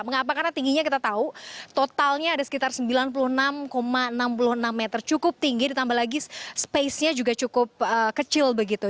mengapa karena tingginya kita tahu totalnya ada sekitar sembilan puluh enam enam puluh enam meter cukup tinggi ditambah lagi space nya juga cukup kecil begitu